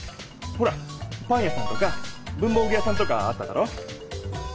ほらパン屋さんとか文房具屋さんとかあっただろ？